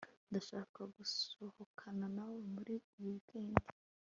ndashaka gusohokana nawe muri iyi weekend